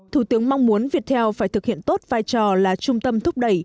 thủ tướng mong muốn việt theo phải thực hiện tốt vai trò là trung tâm thúc đẩy